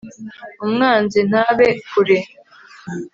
umwanzi ntaba kure